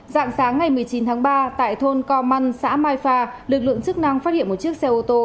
dạng sáng ngày một mươi chín tháng ba tại thôn co măn xã mai pha lực lượng chức năng phát hiện một chiếc xe ô tô